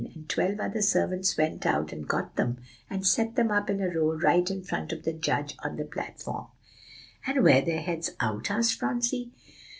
And twelve other servants went out and got them, and set them up in a row right in front of the judge on the platform" "And were their heads out?" asked Phronsie.